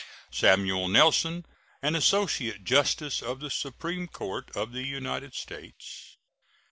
Samuel Nelson, an associate justice of the Supreme Court of the United States.